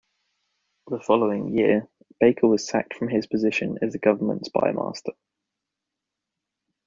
The following year, Baker was sacked from his position as government spymaster.